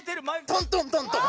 トントントントン。